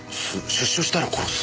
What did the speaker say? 「出所したら殺す」。